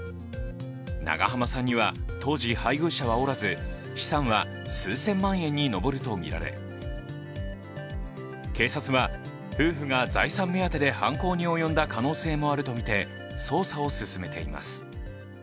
長濱さんには当時、配偶者はおらず資産は数千万円に上るとみられ警察は、夫婦が財産目当てで犯行に及んだ可能性もあるとみて、捜査を進めています。